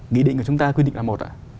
nghị định của chúng ta quy định là một ạ